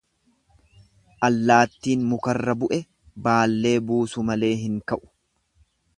Allattiin mukurraa bu'e baallee buusu malee hin ka'u.